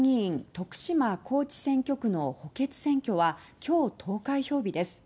徳島・高知選挙区の補欠選挙は今日、投開票日です。